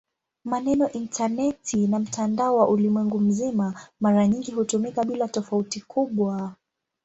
Maneno "intaneti" na "mtandao wa ulimwengu mzima" mara nyingi hutumika bila tofauti kubwa.